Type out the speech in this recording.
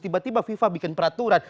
tiba tiba fifa bikin peraturan